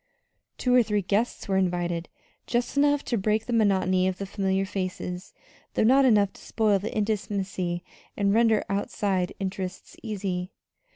Two or three guests were invited just enough to break the monotony of the familiar faces, though not enough to spoil the intimacy and render outside interests easy.